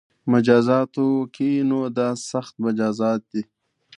مجازاتو کې نو دا سخت مجازات دي